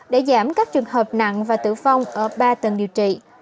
để giảm các trường hợp nặng và tử vong ở ba tầng điều trị